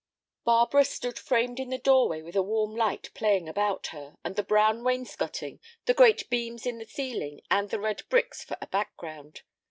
Barbara stood framed in the doorway with a warm light playing about her, and the brown wainscoting, the great beams in the ceiling, and the red bricks for a background.